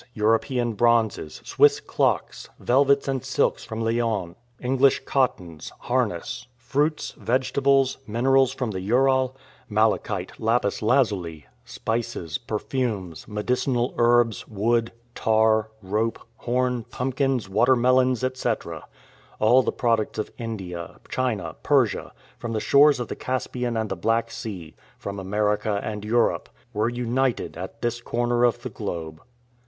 European bronzes, Swiss clocks, velvets and silks from Lyons, English cottons, harness, fruits, vegetables, minerals from the Ural, malachite, lapis lazuli, spices, perfumes, medicinal herbs, wood, tar, rope, horn, pumpkins, water melons, etc all the products of India, China, Persia, from the shores of the Caspian and the Black Sea, from America and Europe, were united at this corner of the globe.